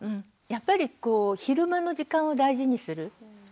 やっぱりこう昼間の時間を大事にする。